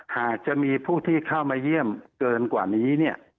หากจะมีผู้ที่เข้ามาเยี่ยมเกินกว่านี้เนี่ย